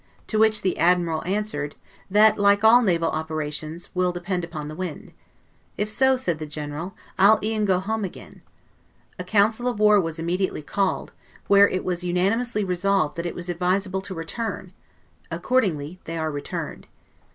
To which the Admiral answered, that, like all naval operations, will depend upon the wind. If so, said the General, I'll e'en go home again. A Council of War was immediately called, where it was unanimously resolved, that it was ADVISABLE to return; accordingly they are returned.